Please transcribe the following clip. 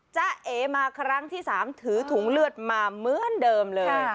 เอ๋มาครั้งที่๓ถือถุงเลือดมาเหมือนเดิมเลย